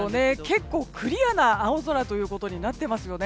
結構クリアな青空となっていますよね。